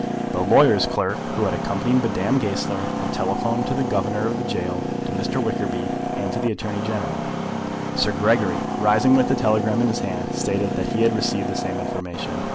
The lawyer's clerk who had accompanied Madame Goesler had telegraphed to the Governor of the gaol, to Mr. Wickerby, and to the Attorney General. Sir Gregory, rising with the telegram in his hand, stated that he had received the same information.